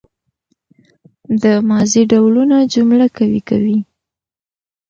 د ماضي ډولونه جمله قوي کوي.